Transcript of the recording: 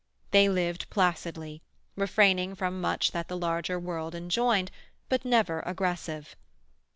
They lived placidly; refraining from much that the larger world enjoined, but never aggressive.